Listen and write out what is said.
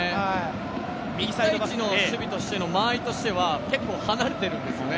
１対１の守備としての間合いは結構離れてるんですよね。